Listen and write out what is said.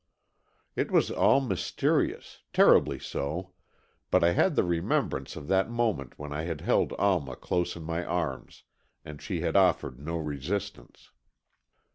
It was all mysterious, terribly so, but I had the remembrance of that moment when I had held Alma close in my arms, and she had offered no resistance.